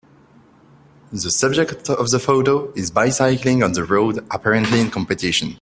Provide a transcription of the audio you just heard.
The subject of the photo is bicycling on the road apparently in competition.